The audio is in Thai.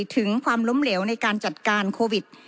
ถึงความล้มเหลวในการจัดการโควิด